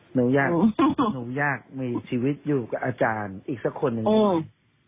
หนูอยากหนูอยากมีชีวิตอยู่กับอาจารย์อีกสักคนหนึ่งได้ไหม